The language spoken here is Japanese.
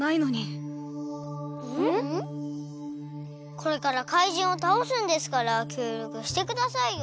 これからかいじんをたおすんですからきょうりょくしてくださいよ！